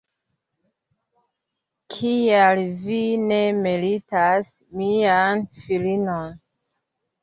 Kial vi ne meritas mian filinon?